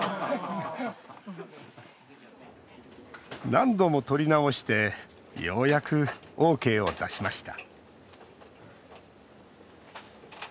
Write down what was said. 何度も撮り直してようやくＯＫを出しました。